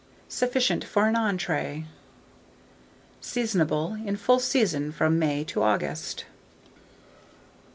Sufficient for an entrée. Seasonable. In full season from May to August.